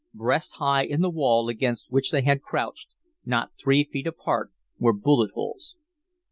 Breast high in the wall against which they had crouched, not three feet apart, were bullet holes.